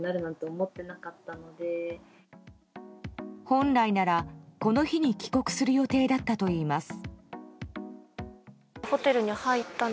本来なら、この日に帰国する予定だったといいます。